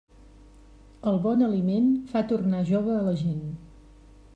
El bon aliment fa tornar jove a la gent.